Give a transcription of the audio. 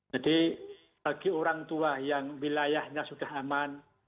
jadi bagi orang tua yang wilayahnya sudah aman